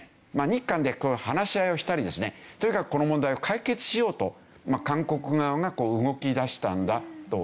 日韓で話し合いをしたりですねとにかくこの問題を解決しようと韓国側が動き出したんだという事ですね。